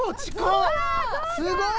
すごい！